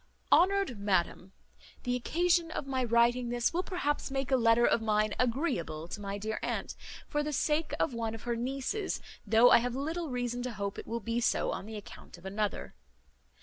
"HONOURED MADAM, "The occasion of my writing this will perhaps make a letter of mine agreeable to my dear aunt, for the sake of one of her nieces, though I have little reason to hope it will be so on the account of another.